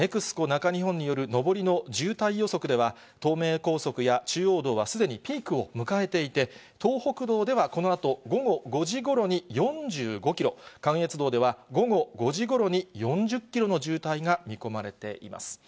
中日本による上りの渋滞予測では、東名高速や中央道は、すでにピークを迎えていて、東北道ではこのあと午後５時ごろに４５キロ、関越道では午後５時ごろに４０キロの渋滞が見込まれています。